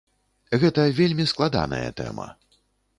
Гэта вельмі складаная тэма.